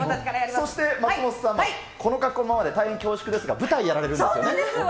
そして松本さん、この格好のままで大変恐縮ですが、舞台やられるんですよね。